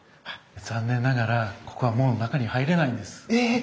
残念ながらここはもう中に入れないんです。え！